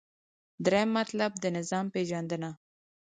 دریم مطلب : د نظام پیژندنه